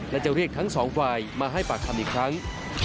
และจะเรียกทั้งสองฝ่ายมาให้ปากคำอีกครั้ง